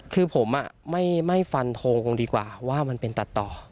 คือผมไม่ฟันทงคงดีกว่าว่ามันเป็นตัดต่อ